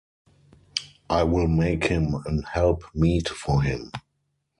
I will make him an help meet for him.